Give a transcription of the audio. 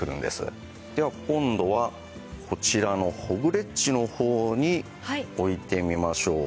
では今度はこちらのホグレッチの方に置いてみましょう。